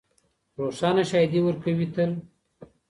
روښانه شاهدي ورکوي تل